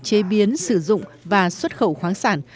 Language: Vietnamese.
chế biến sử dụng và xuất khẩu khoáng sản